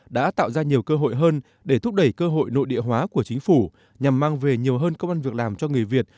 đã tạo ra nhiều cơ hội hơn để thúc đẩy cơ hội nội địa hóa của chính phủ nhằm mang về nhiều hơn công an việc làm cho người việt